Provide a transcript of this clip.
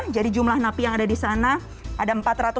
jadi jumlah napi yang ada di sana ada empat ratus empat puluh satu